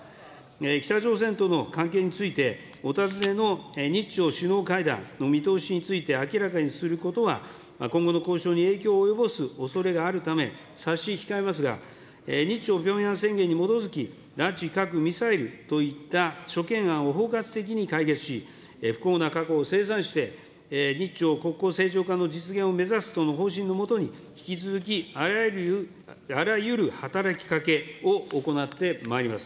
北朝鮮との関係について、お尋ねの日朝首脳会談の見通しについて明らかにすることは、今後の交渉に影響を及ぼすおそれがあるため、差し控えますが、日朝ピョンヤン宣言に基づき、拉致・核・ミサイルといった諸懸案を包括的に解決し、不幸な過去を清算して、日朝国交正常化の実現を目指すとの方針のもとに、引き続きあらゆる働きかけを行ってまいります。